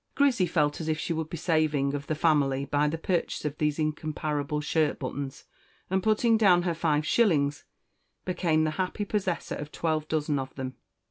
Grizzy felt as if she would be the saving of the family by the purchase of these incomparable shirt buttons, and, putting down her five shillings, became the happy possessor of twelve dozen of them.